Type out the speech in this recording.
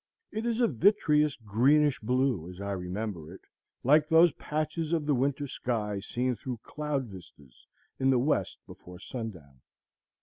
It is a vitreous greenish blue, as I remember it, like those patches of the winter sky seen through cloud vistas in the west before sundown.